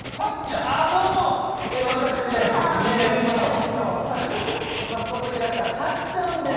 どうも、こちらですね、幸手市のマスコットキャラクター、さっちゃんです。